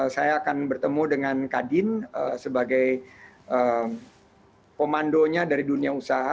saya akan bertemu dengan kadin sebagai komandonya dari dunia usaha